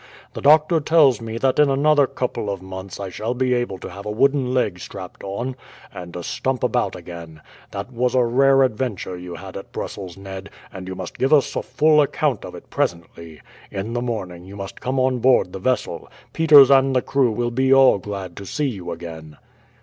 The doctor tells me that in another couple of months I shall be able to have a wooden leg strapped on, and to stump about again. That was a rare adventure you had at Brussels, Ned; and you must give us a full account of it presently. In the morning you must come on board the vessel, Peters and the crew will be all glad to see you again."